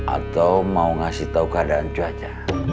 atau mau ngasih tahu keadaan cuaca